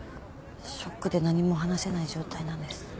ショックで何も話せない状態なんです。